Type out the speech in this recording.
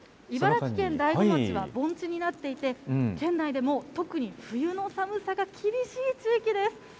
茨城県大子町は盆地になっていて、県内でも特に冬の寒さが厳しい地域です。